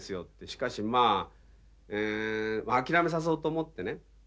しかし諦めさせようと思ってね